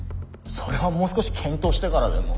それはもう少し検討してからでも。